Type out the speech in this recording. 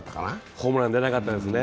ホームラン、出なかったですね。